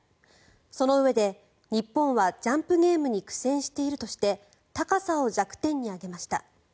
そのうえで、日本はジャンプゲームに苦戦しているとして高さを弱点に挙げました。